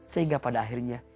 sehingga pada akhirnya